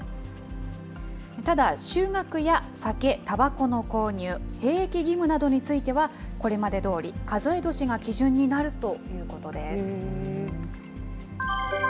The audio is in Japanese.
ただ就学や酒、たばこの購入、兵役義務などについては、これまでどおり数え年が基準になるということです。